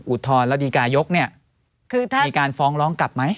อุทธรแล้วดีกายกมีการฟ้องร้องกลับไหม